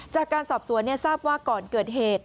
จากการสอบสวนทราบว่าก่อนเกิดเหตุ